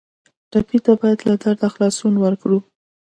ټپي ته باید له درده خلاصون ورکړو.